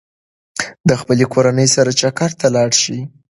د خپلې کورنۍ سره چکر ته لاړ شئ.